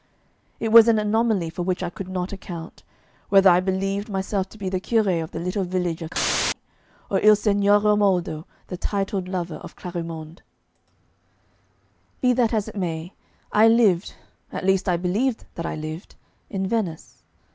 It was an anomaly for which I could not account whether I believed myself to be the curé of the little village of C , or Il Signor Romualdo, the titled lover of Clarimonde. Be that as it may, I lived, at least I believed that I lived, in Venice.